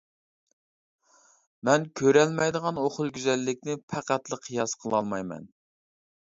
مەن كۆرەلمەيدىغان ئۇ خىل گۈزەللىكنى پەقەتلا قىياس قىلالايمەن.